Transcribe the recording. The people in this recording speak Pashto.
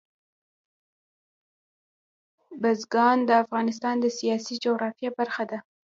بزګان د افغانستان د سیاسي جغرافیه برخه ده.